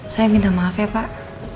saya minta maaf ya pak